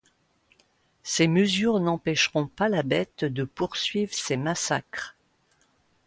Ces mesures n'empêcheront pas la Bête de poursuivre ses massacres.